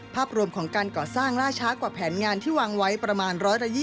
ภาพรวมของการก่อสร้างล่าช้ากว่าแผนงานที่วางไว้ประมาณ๑๒๐